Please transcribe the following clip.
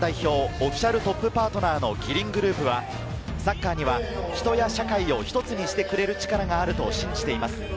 オフィシャルトップパートナーのキリングループは、サッカーには人や社会を一つにしてくれる力があると信じています。